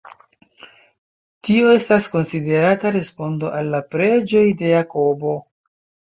Tio estas konsiderata respondo al la preĝoj de Jakobo.